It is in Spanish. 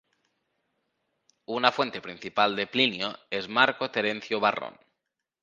Una fuente principal de Plinio es Marco Terencio Varrón.